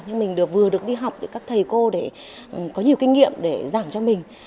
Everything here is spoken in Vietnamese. nhưng mình vừa được đi học được các thầy cô để có nhiều kinh nghiệm để giảng cho mình